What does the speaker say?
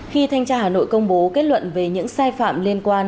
khi thanh tra hà nội công bố kết luận về những sai phạm liên quan